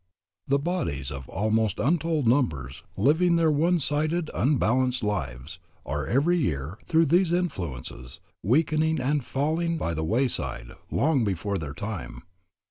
The bodies of almost untold numbers, living their one sided, unbalanced lives, are every year, through these influences, weakening and falling by the wayside long before their time.